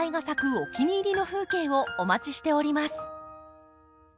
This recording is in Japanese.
お気に入りの風景をお待ちしております。